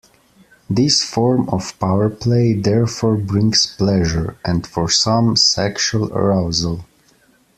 This form of power-play therefore brings pleasure, and for some, sexual arousal.